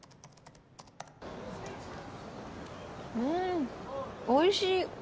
うんおいしい。